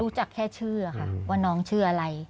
จากแค่ชื่อค่ะว่าน้องชื่ออะไร